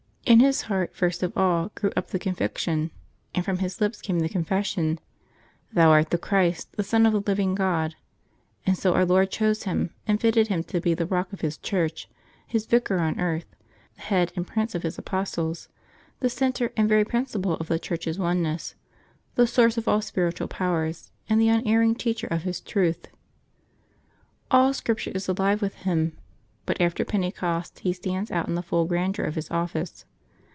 In his heart, first of all, grew up the conviction, and from his lips came the confession, " Thou art the Christ, the Son of the living God ;" and so Our Lord chose him, and fitted him to be the Rock of His Church, His Vicar on earth, the head and prince of His apostles, the centre and very principle of the Church's one ness, the source of all spiritual powers, and the unerring teacher of His truth. All Scripture is alive with him ; but after Pentecost he stands out in the full grandeur of his office.